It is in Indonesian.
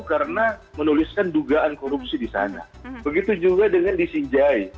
karena menuliskan dugaan korupsi di sana begitu juga dengan di sinjai